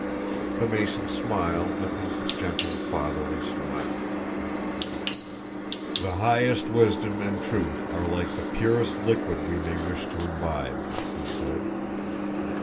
The Mason smiled with his gentle fatherly smile. "The highest wisdom and truth are like the purest liquid we may wish to imbibe," he said.